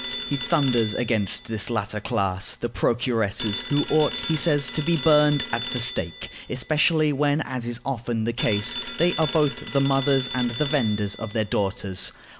He thunders against this latter class, the procuresses, who ought, he says, to be burned at the stake, especially when, as is often the case, they are both the mothers and the venders of their daughters.